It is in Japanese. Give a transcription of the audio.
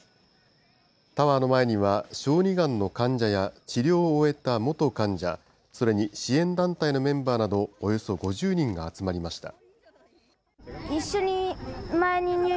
タワーの前には、小児がんの患者や治療を終えた元患者、それに支援団体のメンバーなど、およそ５０人が集まりました。